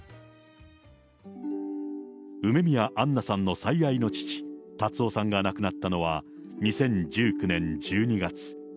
梅宮アンナさんの最愛の父、辰夫さんが亡くなったのは２０１９年１２月。